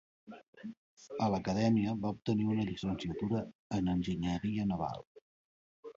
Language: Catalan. A l'Acadèmia, va obtenir una llicenciatura en enginyeria naval.